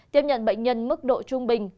tiếp nhận bệnh nhân mức độ trung bình